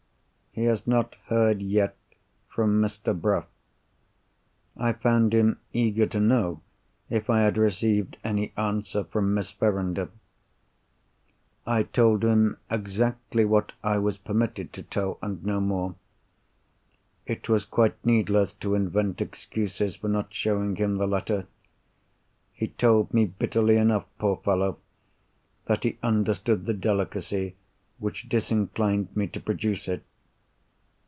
He has not heard yet from Mr. Bruff. I found him eager to know if I had received any answer from Miss Verinder. I told him exactly what I was permitted to tell, and no more. It was quite needless to invent excuses for not showing him the letter. He told me bitterly enough, poor fellow, that he understood the delicacy which disinclined me to produce it.